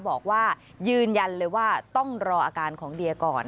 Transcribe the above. บอกว่ายืนยันเลยว่าต้องรออาการของเดียก่อน